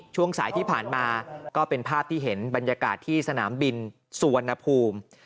ช่วงสายที่ผ่านมาก็เป็นภาพที่เห็นบรรยากาศที่สนามบินสุวรรณภูมิ